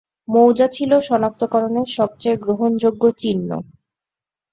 মৌজা ছিল শনাক্তকরণের সবচেয়ে গ্রহণযোগ্য চিহ্ন।